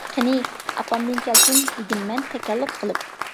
-قېنى ئاپامدىن كەلسۇن-دېدىم مەن تەكەللۇپ قىلىپ.